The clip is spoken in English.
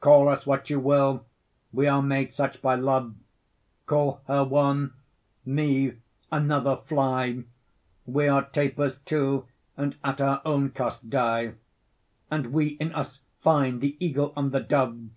Call us what you will, wee are made such by love; Call her one, mee another flye, 20 We'are Tapers too, and at our owne cost die, And wee in us finde the'Eagle and the Dove.